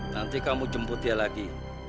nanti kamu jemput dia lagi